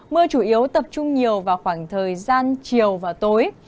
mưa chủ yếu tập trung nhiều vào khoảng thời gian chiều và tối